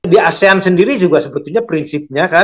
di asean sendiri juga sepertinya prinsipnya